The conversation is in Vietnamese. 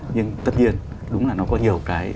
nhưng tất nhiên đúng là nó có nhiều cái